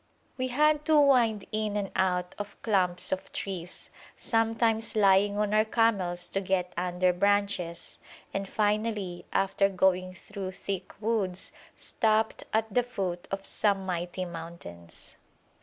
We had to wind in and out of clumps of trees, sometimes lying on our camels to get under branches, and finally, after going through thick woods, stopped at the foot of some mighty mountains.